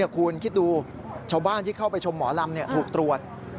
คุณคิดดูชาวบ้านที่เข้าไปชมหมอลำถูกตรวจ